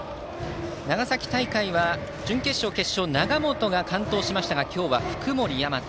長崎大会は、準決勝、決勝と永本が完投しましたが今日は福盛大和。